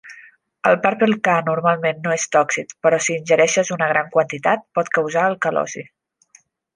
El Purple-K normalment no és tòxic, però si ingereixes una gran quantitat, pot causar alcalosi.